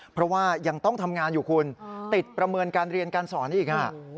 เพราะว่ายังต้องทำงานอยู่คุณติดประเมินการเรียนการสอนอีก